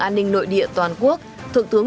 an ninh nội địa toàn quốc thượng thướng